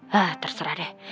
hah terserah deh